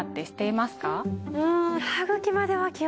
うん。